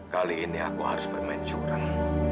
kali ini aku harus bermain curang